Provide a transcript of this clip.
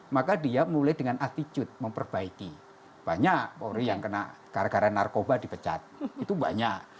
maka dia mulai dengan astitude memperbaiki banyak polri yang kena gara gara narkoba dipecat itu banyak